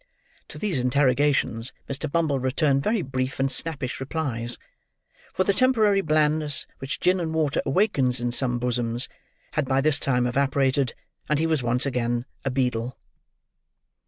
To these interrogations Mr. Bumble returned very brief and snappish replies; for the temporary blandness which gin and water awakens in some bosoms had by this time evaporated; and he was once again a beadle.